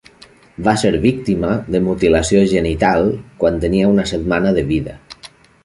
Va ser víctima de mutilació genital quan tenia una setmana de vida.